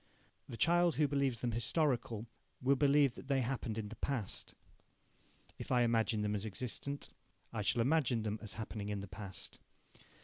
The child who believes them historical will believe that they happened in the past. If I imagine them as existent, I shall imagine them as happening in the past.